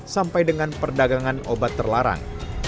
sampai dengan perdagangan obat terlarang